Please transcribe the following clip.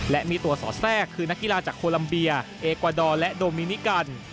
และมีตัวสอดแทรกคือนักกีฬาจากโคลัมเบียเอกวาดอร์และโดมินิกัน